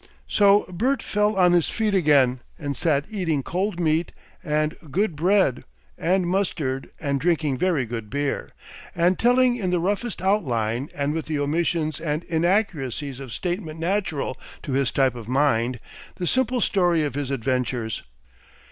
3 So Bert fell on his feet again, and sat eating cold meat and good bread and mustard and drinking very good beer, and telling in the roughest outline and with the omissions and inaccuracies of statement natural to his type of mind, the simple story of his adventures.